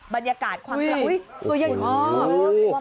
บรรยากาศความรักอุ๊ยตัวใหญ่มาก